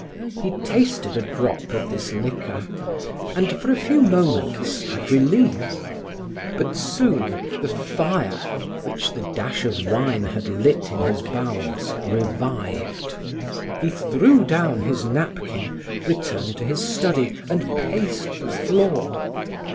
He tasted a drop of this liquor and, for a few moments, had relief. But soon the fire, which the dash of wine had lit in his bowels, revived. He threw down his napkin, returned to his study, and paced the floor.